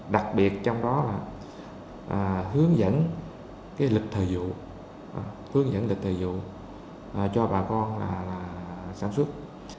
đặc biệt trong đó là hướng dẫn lịch thờ dụ cho bà con sản xuất